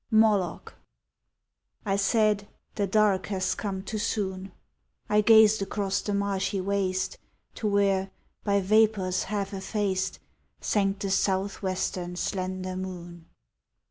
MOLOCH I said, "The dark has come too soon." I gazed across the marshy waste To where, by vapors half effaced, Sank the southwestern, slender moon.